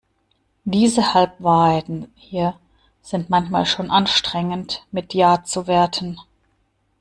Diese Halbwahrheiten hier sind manchmal schon anstrengend mit ja zu werten.